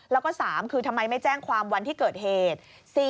แล้วก็๓คือทำไมไม่แจ้งความวันที่เกิดเหตุ